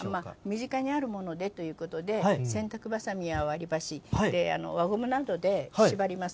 身近にあるものでということで、洗濯ばさみや割りばし、輪ゴムなどで縛ります。